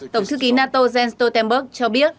tổng thư ký nato jens stoltenberg cho biết